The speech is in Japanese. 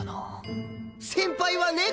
先輩は猫！